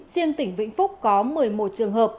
riêng tỉnh vĩnh phúc có một mươi một trường hợp